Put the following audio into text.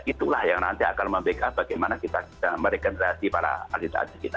itulah yang nanti akan membeka bagaimana kita bisa meregenerasi para artis artis kita